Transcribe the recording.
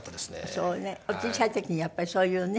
そうねお小さい時にやっぱりそういうね。